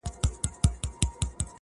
o دا چي تاسي راته وایاست دا بکواس دی,